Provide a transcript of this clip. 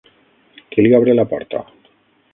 Qui li obre la porta?